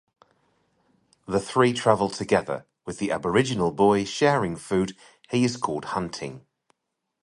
The three travel together, with the Aboriginal boy sharing food he has caught hunting.